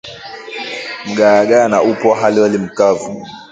Mgaagaa na upwa hali wali mkavu